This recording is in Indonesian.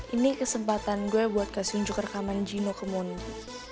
ini kesempatan gue buat kasih unjuk rekaman gino comoni